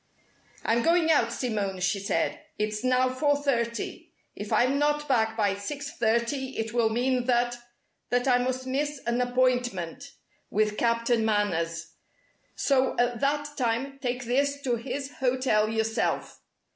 "I'm going out, Simone," she said. "It's now four thirty. If I'm not back by six thirty it will mean that that I must miss an appointment with Captain Manners; so at that time take this to his hotel yourself.